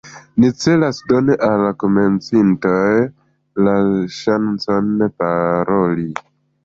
Ni celas doni al komencintoj la ŝancon paroli.